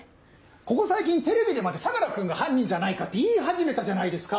ここ最近テレビでまで相良君が犯人じゃないかって言い始めたじゃないですか。